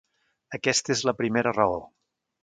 Aquesta és la primera raó.